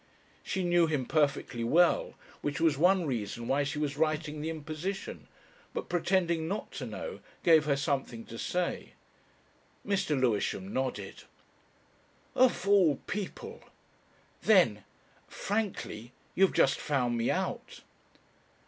She knew him perfectly well, which was one reason why she was writing the imposition, but pretending not to know gave her something to say. Mr. Lewisham nodded. "Of all people! Then" frankly "you have just found me out."